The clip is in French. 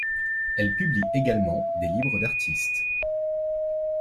Elle publie également des livres d’artistes.